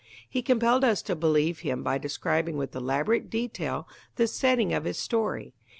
He compelled us to believe him by describing with elaborate detail the setting of his story.